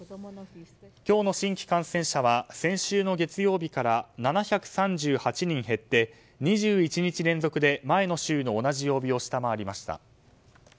今日の新規感染者は先週の月曜日から７３８人減って２１日連続で前の週の同じ曜日を下回りました。